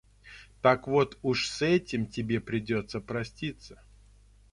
Так вот уж с этим тебе придётся проститься.